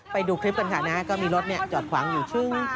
ไปดูคลิปกันค่ะนะก็มีรถจอดขวางอยู่